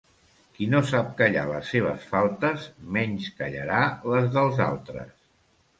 Qui no sap callar les seves faltes, menys callarà les dels altres.